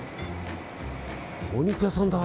お肉屋さんだ。